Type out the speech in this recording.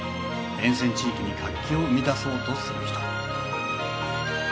沿線地域に活気を生み出そうとする人